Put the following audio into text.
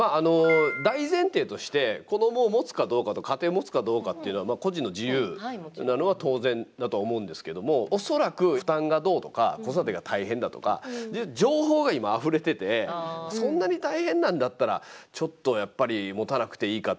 大前提として子どもを持つかどうかと家庭を持つかどうかっていうのは個人の自由なのは当然だとは思うんですけども恐らく負担がどうとか子育てが大変だとか情報が今あふれててっていう一面はあると思うんですよね。